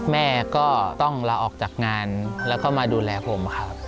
แม่ก็ต้องลาออกจากงานแล้วก็มาดูแลผมครับ